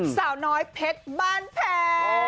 สาร้ายน้อยเพชรกองบ้านแผง